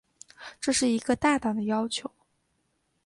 这是一个大胆的要求。